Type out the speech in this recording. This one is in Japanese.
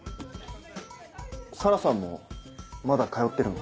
紗良さんもまだ通ってるの？